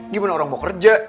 gimana orang mau kerja